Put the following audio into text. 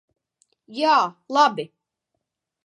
Jā, labi.